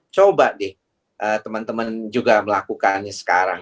coba deh teman teman juga melakukannya sekarang